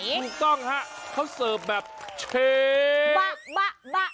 ถูกต้องฮะเขาเสิร์ฟแบบเชฟบะ